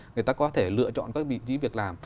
người ta có thể lựa chọn các vị trí việc làm